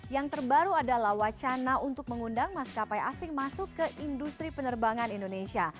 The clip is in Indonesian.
yang terbaru adalah wacana untuk mengundang maskapai asing masuk ke industri penerbangan indonesia